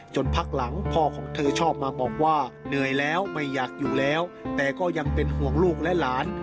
พักหลังพ่อของเธอชอบมาบอกว่าเหนื่อยแล้วไม่อยากอยู่แล้วแต่ก็ยังเป็นห่วงลูกและหลาน